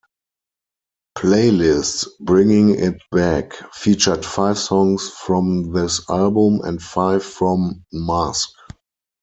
"Playlist: Bringing It Back" featured five songs from this album and five from "Masque".